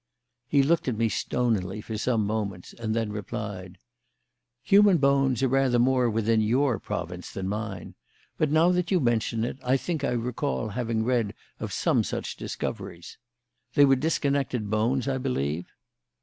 He looked at me stonily for some moments, and then replied: "Human bones are rather more within your province than mine, but, now that you mention it, I think I recall having read of some such discoveries. They were disconnected bones, I believe?"